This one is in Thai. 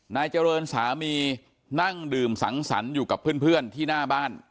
นายเจริญสามีนั่งดื่มสังสรรค์อยู่กับเพื่อนที่หน้าบ้าน